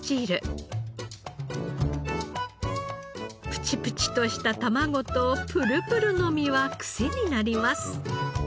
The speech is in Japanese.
プチプチとした卵とプルプルの身はクセになります。